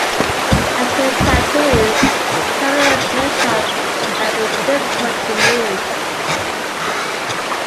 As with tattoos, permanent makeup can be difficult to remove.